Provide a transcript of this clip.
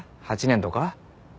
８年とか？